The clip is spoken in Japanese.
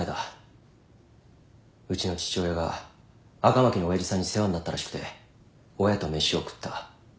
うちの父親が赤巻の親父さんに世話になったらしくて親と飯を食った。